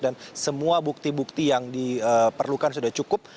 dan semua bukti bukti yang diperlukan sudah cukup